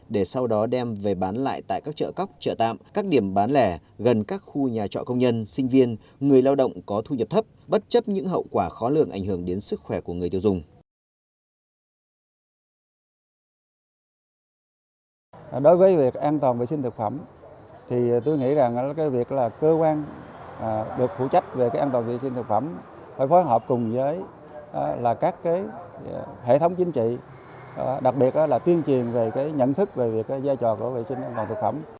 đối với việc an toàn vệ sinh thực phẩm tôi nghĩ cơ quan được phụ trách về an toàn vệ sinh thực phẩm phải phối hợp cùng với các hệ thống chính trị đặc biệt là tuyên truyền về nhận thức về giai trò của vệ sinh an toàn thực phẩm